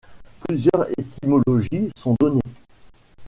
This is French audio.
Plusieurs étymologies sont données.